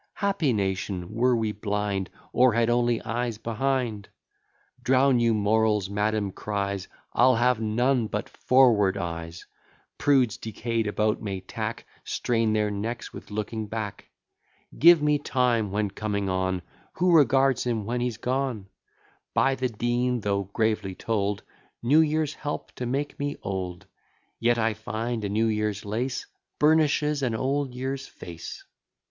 Happy nation, were we blind, Or had only eyes behind! Drown your morals, madam cries, I'll have none but forward eyes; Prudes decay'd about may tack, Strain their necks with looking back. Give me time when coming on; Who regards him when he's gone? By the Dean though gravely told, New years help to make me old; Yet I find a new year's lace Burnishes an old year's face.